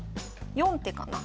４手かな。